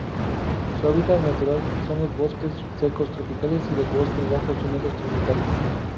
Su hábitat natural son los bosques secos tropicales y los bosques bajos húmedos tropicales.